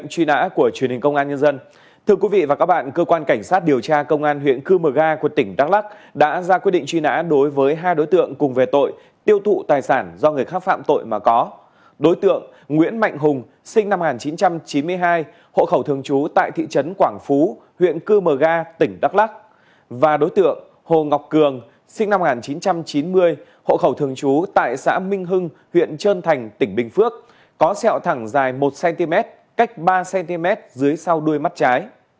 cường sinh năm một nghìn chín trăm chín mươi hộ khẩu thường chú tại xã minh hưng huyện trơn thành tỉnh bình phước có xeo thẳng dài một cm cách ba cm dưới sau đuôi mắt trái